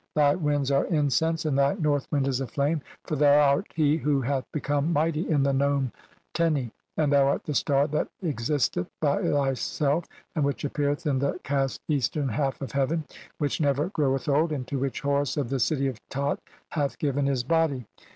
"(156) Thy winds are incense and thy north wind is "a flame, for thou art he who hath become mighty "in the nome Teni, (157) and thou art the star that "existeth by thyself and which appeareth in the "eastern half of heaven, (158) which never groweth "old, and to which Horus of the city of Tat hath "given his body."